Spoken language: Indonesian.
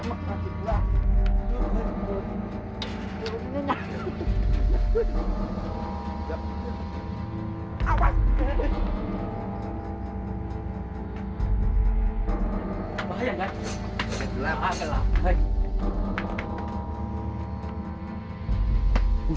lihatlah dia sedang mengukur nama kuda